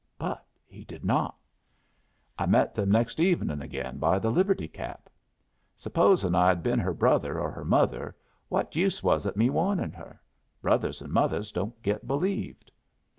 But he did not. I met them next evening again by the Liberty Cap. Supposin' I'd been her brother or her mother, what use was it me warning her? Brothers and mothers don't get believed.